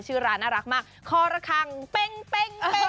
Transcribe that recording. ชื่อร้านน่ารักมากคอระคังเป้ง